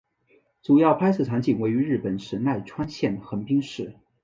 主要拍摄场景位于日本神奈川县横滨市。